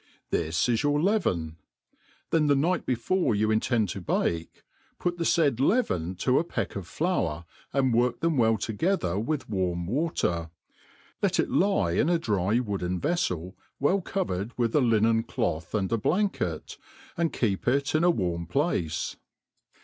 This is your lea ven : then the pigbt before you intend to bake, put the fatd leaven to a peck of flour^ and work them well tc^ether with ^arm water« Let it lie in a dry wooden veilel, well covered with a linei) cloth and a blanket, and keep it in a warm plaoe.